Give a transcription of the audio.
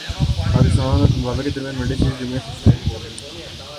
پاکستان اور زمبابوے کے درمیان ون ڈے سیریز جمعہ سے شروع ہوگی